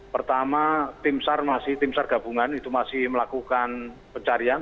pertama tim sar gabungan masih melakukan pencarian